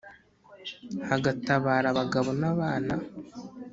hagatabara abagabo n'abana